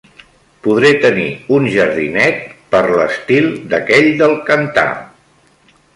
Podré tenir un jardinet per l'estil d'aquell del cantar